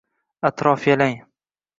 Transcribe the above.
Atrof yalang